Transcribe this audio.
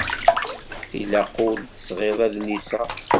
Tilaq ur d-tesɣiḍ adlis-a.